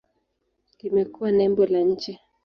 Imekuwa nembo la nchi.